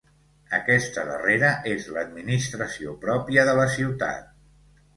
Aquesta darrera és l'administració pròpia de la ciutat.